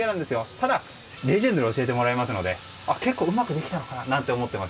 ただ、レジェンドに教えてもらいますので結構うまくできたのかな？なんて思っています。